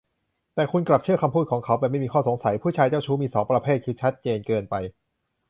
แต่คุณกลับเชื่อคำพูดของเขาแบบไม่มีข้อสงสัย ผู้ชายเจ้าชู้มี สอง ประเภท คือ ชัดเจนเกินไป